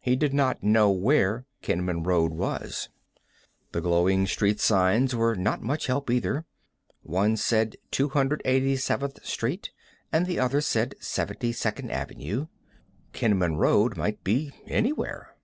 He did not know where Kenman Road was. The glowing street signs were not much help either. One said 287th Street and the other said 72nd Avenue. Kenman Road might be anywhere.